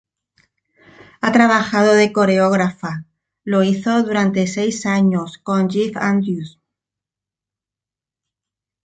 Ha trabajado de coreógrafa, lo hizo durante seis años con "Jeff Andrews".